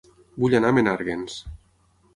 Vull anar a Menàrguens